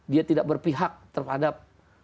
dia tidak berpihak terhadap